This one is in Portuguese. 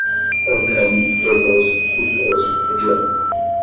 outrem, doloso, culposo, hediondo